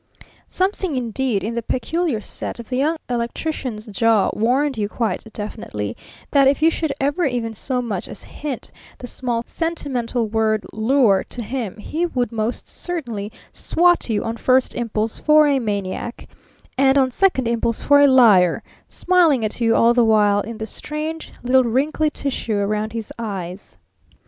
Something, indeed, in the peculiar set of the Young Electrician's jaw warned you quite definitely that if you should ever even so much as hint the small, sentimental word "lure" to him he would most certainly "swat" you on first impulse for a maniac, and on second impulse for a liar smiling at you all the while in the strange little wrinkly tissue round his eyes.